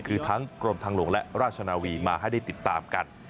คือทั้งกรมทางหลวงและราชนาวีมาให้ได้ติดตามกัน